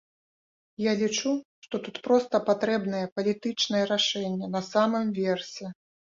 Я лічу, што тут проста патрэбнае палітычнае рашэнне на самым версе.